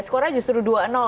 skornya justru dua ya